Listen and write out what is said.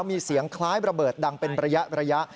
มีเสียงคล้ายระเบิดดังเป็นระยะ